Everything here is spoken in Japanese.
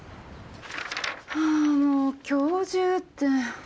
ハァもう今日中って。